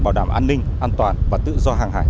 bảo đảm an ninh an toàn và tự do hàng hải